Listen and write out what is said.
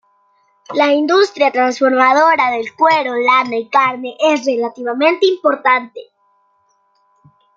La industria transformadora del cuero, lana y carne es relativamente importante.